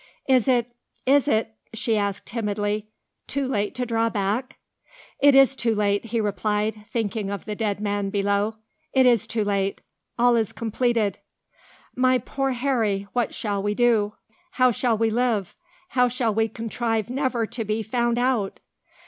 "Is it is it," she asked timidly, "too late to draw back?" "It is too late," he replied, thinking of the dead man below. "It is too late. All is completed." "My poor Harry! What shall we do? How shall we live? How shall we contrive never to be found out?"